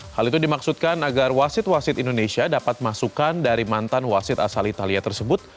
hal itu dimaksudkan agar wasit wasit indonesia dapat masukan dari mantan wasit asal italia tersebut